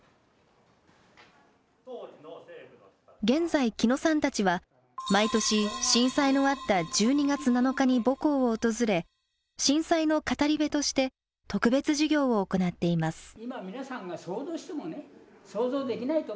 現在木野さんたちは毎年震災のあった１２月７日に母校を訪れ震災の語り部として特別授業を行っています。